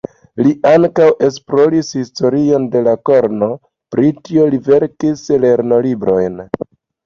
Li ankaŭ esploris historion de la korno, pri tio li verkis lernolibrojn.